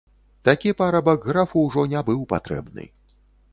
Такі парабак графу ўжо не быў патрэбны.